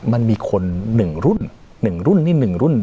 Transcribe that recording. มันมีคนหนึ่งรุ่นนี่หนึ่งรุ่น